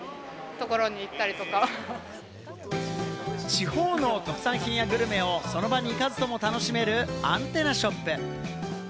地方の特産品やグルメをその場に行かずとも楽しめるアンテナショップ。